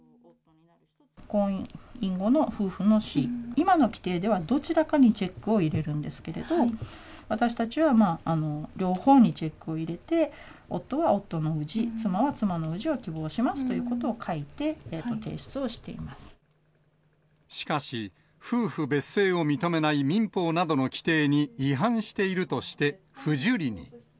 婚姻後の夫婦の氏、今の規定ではどちらかにチェックを入れるんですけれど、私たちは両方にチェックを入れて、夫は夫の氏、妻は妻の氏を希望しますというこしかし、夫婦別姓を認めない民法などの規定に違反しているとして不受理に。